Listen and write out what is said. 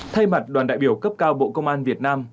thay mặt đoàn đại biểu cấp cao bộ công an việt nam